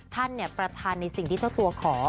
ท่านประธานในสิ่งที่เจ้าตัวขอ